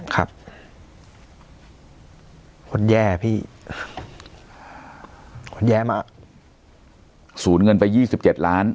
ครับคนแย่พี่คนแยะมาสูญเงินไปยี่สิบเจ็ดล้าน